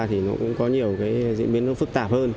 thì cũng có nhiều diễn biến phức tạp